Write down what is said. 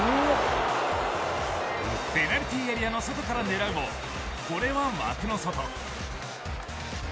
ペナルティーエリアの外から狙うもこれは枠の外。